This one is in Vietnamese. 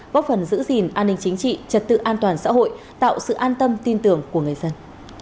góp phần giữ gìn an ninh chính trị trật tự an toàn xã hội tạo sự an tâm tin tưởng của người dân